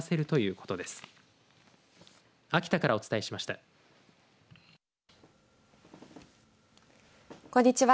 こんにちは。